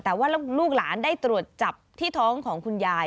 แต่ว่าลูกหลานได้ตรวจจับที่ท้องของคุณยาย